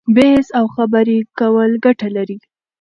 بحث او خبرې کول ګټه لري.